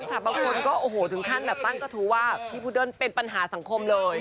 บางคนก็โอ้โหถึงขั้นแบบตั้งกระทู้ว่าพี่พุดเดิ้ลเป็นปัญหาสังคมเลย